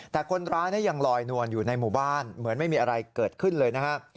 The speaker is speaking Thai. แต่คนร้ายยังลอยนวลอยู่ในหมู่บ้านเหมือนไม่มีอะไรเกิดขึ้นเลยนะครับ